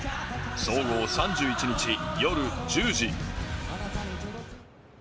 総合３１日、夜１０時。